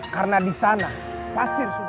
karena disana pasir sudah